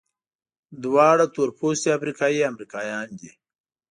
دواړه تورپوستي افریقایي امریکایان دي.